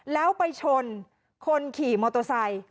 แล้วไปชนคนขี่มอเตอร์ไซค์